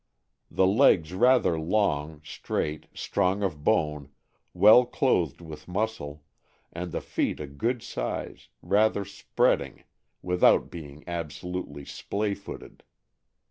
The legs rather long, straight, strong of bone, well clothed with muscle; and the feet a good size, rather spreading, without being absolutely splay footed.